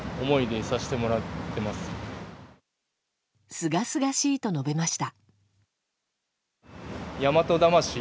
すがすがしいと述べました。